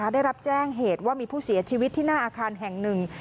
ได้รับแจ้งเหตุว่ามีผู้เสียชีวิตที่หน้าอาคารแห่งหนึ่ง